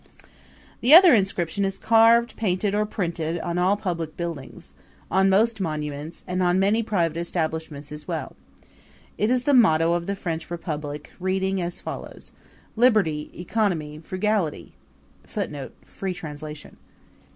The other inscription is carved, painted or printed on all public buildings, on most monuments, and on many private establishments as well. It is the motto of the French Republic, reading as follows: Liberality! Economy! Frugality! [Footnote: Free translation.